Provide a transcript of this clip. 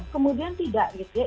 kemudian tidak gitu ya